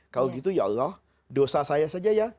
kalau gitu ya allah dosa saya saja ya